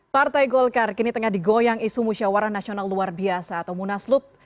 partai golkar kini tengah digoyang isu musyawarah nasional luar biasa atau munaslup